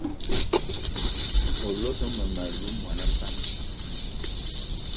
O lot mmem- alou mona pam?